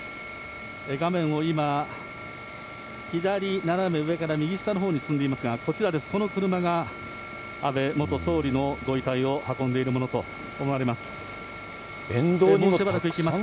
画面を今、左斜め上から右下のほうに進んでいますが、こちらです、この車が安倍元総理のご遺体を運んでいるものと思われます。